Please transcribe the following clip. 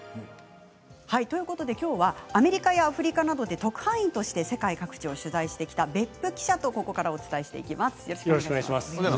今日はアメリカやアフリカなどで特派員として世界各地を取材してきた別府記者とお伝えしていきます。